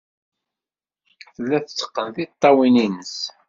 Tella tetteqqen tiṭṭawin-nnes.